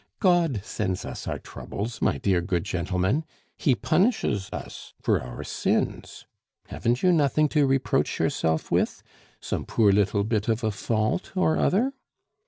God sends us our troubles, my dear good gentlemen; He punishes us for our sins. Haven't you nothing to reproach yourself with? some poor little bit of a fault or other?"